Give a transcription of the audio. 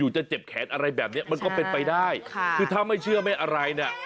จะเจ็บแขนอะไรแบบเนี้ยมันก็เป็นไปได้ค่ะคือถ้าไม่เชื่อไม่อะไรเนี่ย